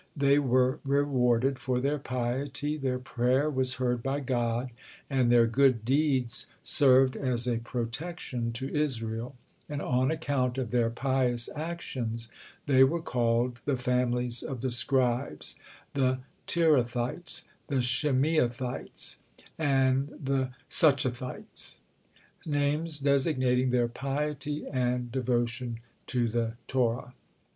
They were rewarded for their piety, their prayer was heard by God, and their good deeds served as a protection to Israel; and on account of their pious actions they were called "the families of the scribes," the Tirathites, the Shimeathites, and the Suchathites, names designating their piety and devotion to the Torah.